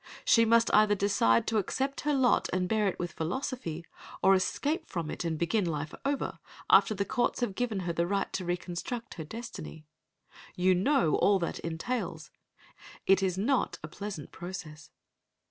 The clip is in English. She must either decide to accept her lot and bear it with philosophy, or escape from it and begin life over, after the courts have given her the right to reconstruct her destiny. You know all that entails. It is not a pleasant process.